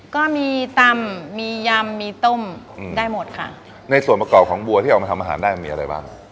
ก็มีตำมียำมีต้มอืมได้หมดค่ะในส่วนประกอบของบัวที่เอามาทำอาหารได้มีอะไรบ้าง